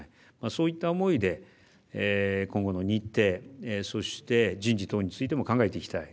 そういった思いで今後の日程そして人事等についても考えていきたい